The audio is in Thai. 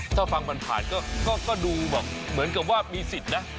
ถ้าฟังผ่านก็ดูแบบเหมือนกับว่ามีสิทธิ์นะ